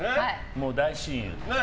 もう大親友。